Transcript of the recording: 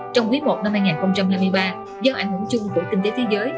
trong quý i năm hai nghìn hai mươi ba do ảnh hưởng chung của kinh tế thế giới